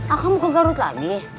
aku mau ke garut lagi